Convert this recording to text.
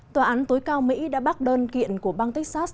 tòa án tối cao mỹ đã bác đơn kiện của bang texas